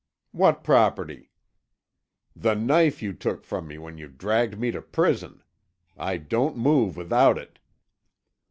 "What property?" "The knife you took from me when you dragged me to prison. I don't move without it."